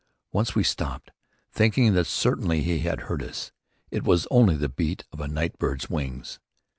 Once we stopped, thinking that certainly he had heard us. It was only the beat of a night bird's wings.